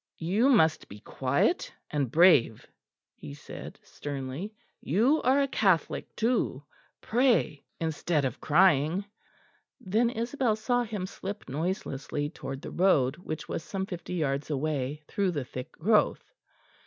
"You must be quiet and brave," he said sternly. "You are a Catholic too; pray, instead of crying." Then Isabel saw him slip noiselessly towards the road, which was some fifty yards away, through the thick growth.